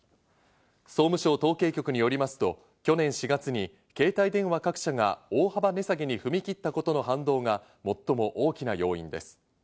総務省統計局によりますと去年４月に携帯電話各社が大幅値下げに踏み切ったことの反動が最も大きな要因です。